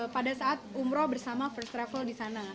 pada saat umroh bersama first travel di sana